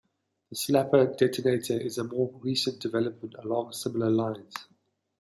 The slapper detonator is a more recent development along similar lines.